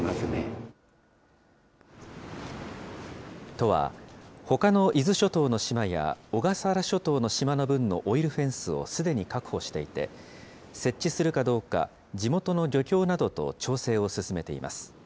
都は、ほかの伊豆諸島の島や小笠原諸島の島の分のオイルフェンスをすでに確保していて、設置するかどうか、地元の漁協などと調整を進めています。